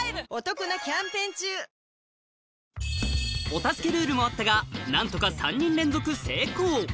お助けルールもあったが何とか３人連続成功